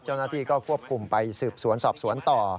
เจ้าหน้าที่ก็ควบคุมไปสืบสวนสอบสวนต่อ